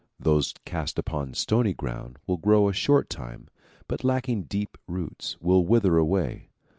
Those cast upon stony ground will grow a short time but lacking deep roots will wither away.